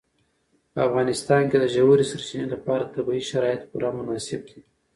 په افغانستان کې د ژورې سرچینې لپاره طبیعي شرایط پوره مناسب دي.